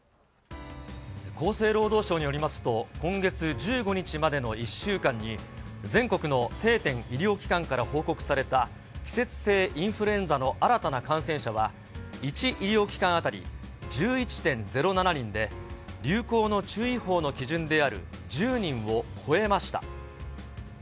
厚生労働省によりますと、今月１５日までの１週間に、全国の定点医療機関から報告された季節性インフルエンザの新たな感染者は、１医療機関当たり１１．０７人で、流行の注意報の基準である１０人を超えました。